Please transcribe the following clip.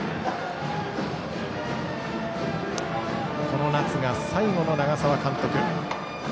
この夏が最後の長澤監督。